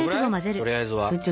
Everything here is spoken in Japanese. とりあえずは。